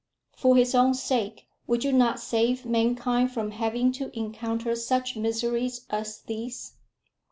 For his own sake, would you not save mankind from having to encounter such miseries as these?"